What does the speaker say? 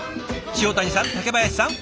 塩谷さん竹林さん